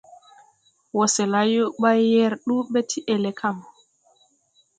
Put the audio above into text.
Wɔsɛla yo ɓuy yɛr ndu ɓɛ ti ELECAM.